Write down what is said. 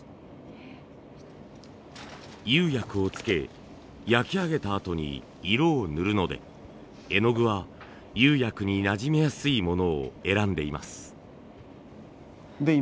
釉薬をつけ焼きあげたあとに色を塗るので絵の具は釉薬になじみやすいものを選んでいます。